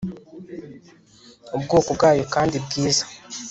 ubwoko bwayo kandi bwiza